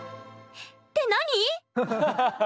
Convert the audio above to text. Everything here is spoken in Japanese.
って何？